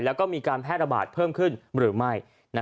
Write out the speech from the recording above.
แล้วก็มีการแพร่ระบาดเพิ่มขึ้นหรือไม่